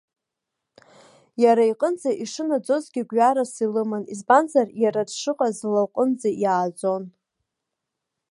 Иара иҟынӡа ишынаӡозгьы гәҩарас илыман, избанзар, иара дшыҟаз ла лҟынӡа иааӡон.